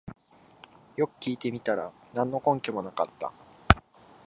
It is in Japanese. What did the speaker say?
よく聞いてみたら何の根拠もなかった